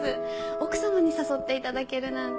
奥様に誘って頂けるなんて。